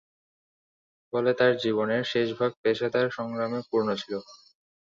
ফলে তার জীবনের শেষভাগ পেশাদার সংগ্রামে পূর্ণ ছিল।